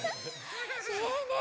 ねえねえ